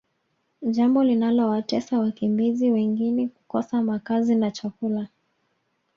jambo linalowatesa wakimbizi wengini kukosa makazi na chakula